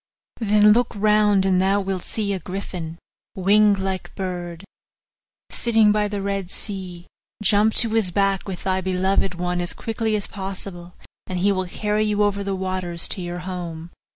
Then look round and thou wilt see a griffin, winged like bird, sitting by the Red Sea; jump on to his back with thy beloved one as quickly as possible, and he will carry you over the waters to your home.